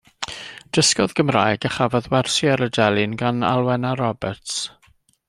Dysgodd Gymraeg a chafodd wersi ar y delyn gan Alwena Roberts.